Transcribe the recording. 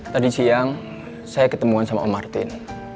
tadi siang saya ketemuan sama martin